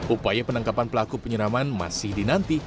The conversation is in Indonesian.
upaya penangkapan pelaku penyeraman masih dinanti